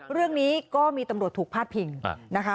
เรื่องนี้ก็มีตำรวจถูกพาดพิงนะคะ